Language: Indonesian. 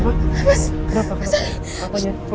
hai kamu enggak papa papa